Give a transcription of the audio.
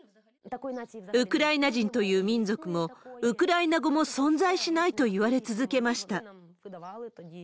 ウクライナ人という民族も、ウクライナ語も存在しないと言われ続けました。